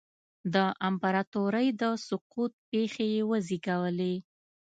د امپراتورۍ د سقوط پېښې یې وزېږولې.